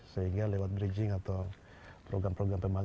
sehingga lewat bridging atau program program pemerintah